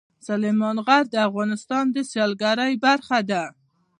سلیمان غر د افغانستان د سیلګرۍ برخه ده.